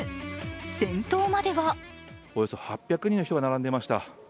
先頭まではおよそ８００人の人が並んでいました。